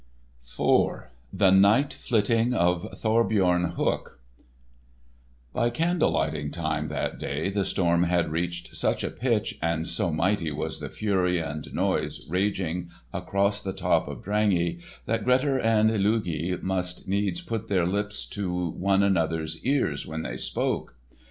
*IV* *THE NIGHT FLITTING OF THORBJORN HOOK* By candle lighting time that day the storm had reached such a pitch and so mighty was the fury and noise raging across the top of Drangey, that Grettir and Illugi must needs put their lips to one another's ears when they spoke.